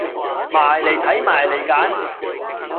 埋嚟睇，埋嚟揀